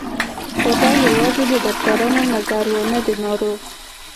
خو دا يوازې د ډاکترانو نظر و نه د ناروغ.